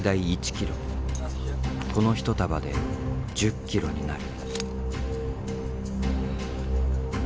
この一束で１０ｋｇになる。